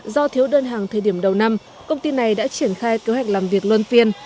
do thiếu đơn hàng thời điểm đầu năm công ty này đã triển khai kế hoạch làm việc luân phiên